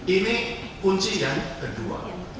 ini kunci yang kedua